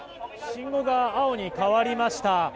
信号が青に変わりました。